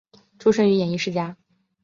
出身于演艺世家。